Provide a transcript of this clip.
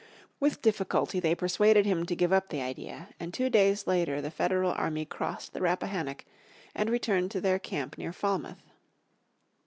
With difficulty they persuaded him to give up the idea, and two days later the Federal army crossed the Rappahannock, and returned to their camp near Falmouth.